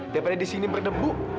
daripada di sini berdebu